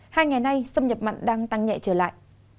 hai ngày nay xâm nhập mặn đang tăng nhẹ trở lại